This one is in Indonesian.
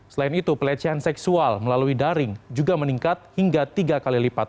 selain itu pelecehan seksual melalui daring juga meningkat hingga tiga kali lipat